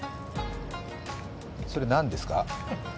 それ、何ですか？